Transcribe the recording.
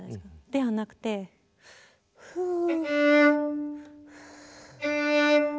ではなくてフゥ。